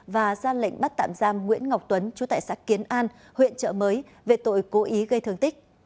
và ra lệnh bắt tạm giam nguyễn ngọc tuấn chú tại xã kiến an huyện trợ mới về tội cố ý gây thương tích